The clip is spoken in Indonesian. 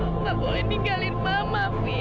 ibu gak boleh tinggalin mama ibu